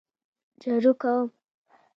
جارو کوم